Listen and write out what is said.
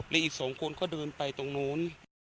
และอีก๒คนก็เดินไปตรงนู้น